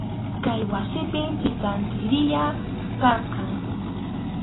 Kay wasipim pikantiriya karqan.